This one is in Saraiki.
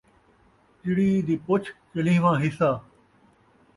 چیڑی دی پُچھ ، چلھین٘واں حصہ